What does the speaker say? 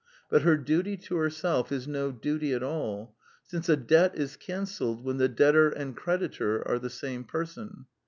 But her duty to herself is no duty at all, since a debt is cancelled when the debtor and creditor are the same person.